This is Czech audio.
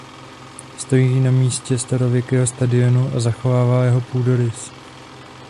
Stojí na místě starověkého stadionu a zachovává jeho půdorys.